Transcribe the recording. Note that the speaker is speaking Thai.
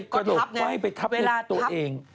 เขาทับไปทับตัวเอง